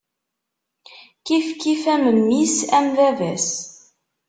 Kifkif am mmi-s, am baba-s.